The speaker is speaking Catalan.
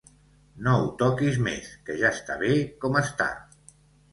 No ho toquis més, que ja està bé com està.